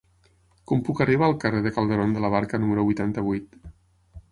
Com puc arribar al carrer de Calderón de la Barca número vuitanta-vuit?